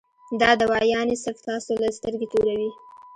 دا دوايانې صرف تاسو له سترګې توروي -